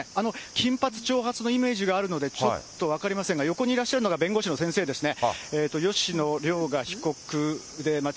金髪、長髪のイメージがあるので、ちょっと分かりませんが、横にいらっしゃるのが弁護士の先生ですね。